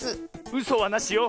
うそはなしよ。